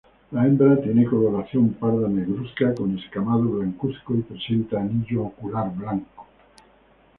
La hembra tiene coloración parda negruzca con escamado blancuzco y presenta anillo ocular blanco.